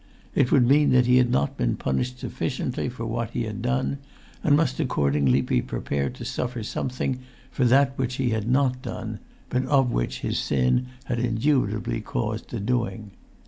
It would mean that he had not been punished sufficiently for what he had done, and must accordingly be prepared to suffer something for that which he had not done, but of which his sin had indubitably caused the doing.